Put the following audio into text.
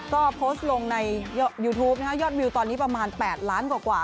ก็โพสต์ลงในยูทูปนะฮะยอดวิวตอนนี้ประมาณ๘ล้านกว่า